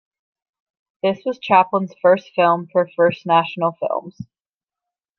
This was Chaplin's first film for First National Films.